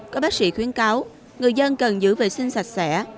các bác sĩ khuyến cáo người dân cần giữ vệ sinh sạch sẽ